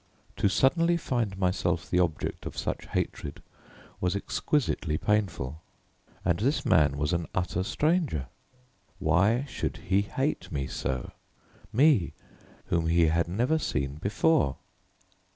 To suddenly find myself the object of such hatred was exquisitely painful: and this man was an utter stranger. Why should he hate me so? me, whom he had never seen before?